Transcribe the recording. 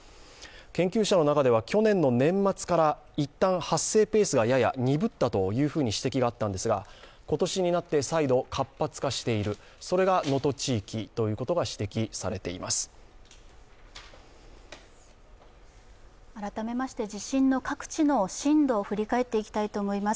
研究者の中では去年の年末からいったん発生ペースがやや鈍ったと指摘があったんですが今年になって再度活発化している、それが能登地域ということが改めまして地震の各地の震度を振り返ってまいります。